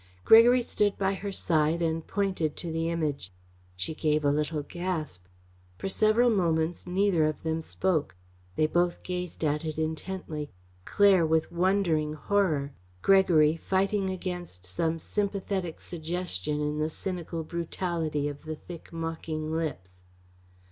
Gregory stood by her side and pointed to the Image. She gave a little gasp. For several moments neither of them spoke. They both gazed at it intently; Claire with wondering horror; Gregory fighting against some sympathetic suggestion in the cynical brutality of the thick mocking lips.